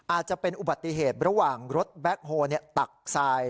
อาจจะเป็นอุบัติเหตุระหว่างรถแบ็คโฮลตักทราย